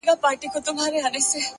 د فکر عادتونه سرنوشت جوړوي!.